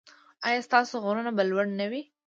ایا ستاسو غرونه به لوړ نه وي؟